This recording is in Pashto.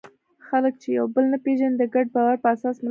خلک چې یو بل نه پېژني، د ګډ باور په اساس مرسته کوي.